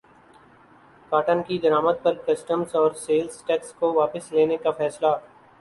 cotton کی درمد پر کسٹمز اور سیلز ٹیکس کو واپس لینے کا فیصلہ